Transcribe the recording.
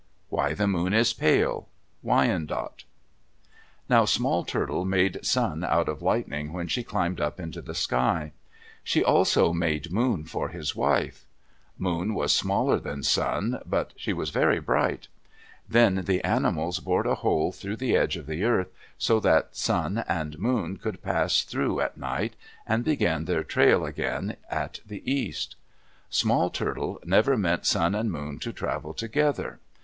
WHY THE MOON IS PALE Wyandot Now Small Turtle made Sun out of lightning when she climbed up into the sky. She also made Moon for his wife. Moon was smaller than Sun, but she was very bright. Then the animals bored a hole through the edge of the earth so that Sun and Moon could pass through at night, and begin their trail again at the east. Small Turtle never meant Sun and Moon to travel together.